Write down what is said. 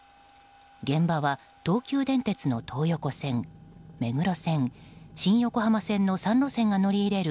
現場は、東急電鉄の東横線、目黒線、新横浜線の３路線が乗り入れる